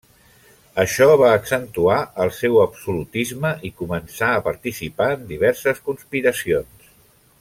Això va accentuar el seu absolutisme i començà a participar en diverses conspiracions.